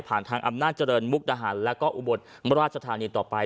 ผ่านทางอำนาจเจริญมุกรรมและอุบดรมราชธานีต่อไป